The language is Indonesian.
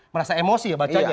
merasa emosi ya bacanya